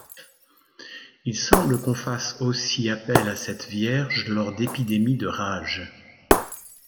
Il semble qu'on fasse aussi appel à cette Vierge lors d'épidémie de rage.